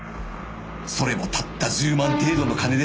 それもたった１０万程度の金で。